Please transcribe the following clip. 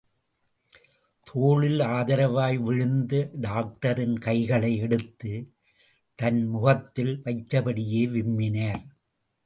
தோளில் ஆதரவாய் விழுந்த டாக்டரின் கைகளை எடுத்துத் தன் முகத்தில் வைத்தபடியே விம்மினார்.